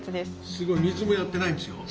すごい！水もやってないんでしょ？